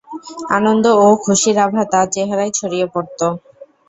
আনন্দ ও খুশির আভা তার চেহারায় ছড়িয়ে পড়ত।